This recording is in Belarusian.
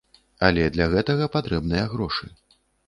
Але для гэтага патрэбныя грошы.